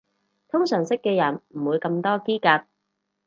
通常識嘅人唔會咁多嘰趷